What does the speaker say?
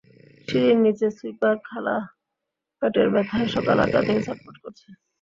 সিঁড়ির নিচে সুইপার খালা পেটের ব্যথায় সকাল আটটা থেকে ছটফট করছে।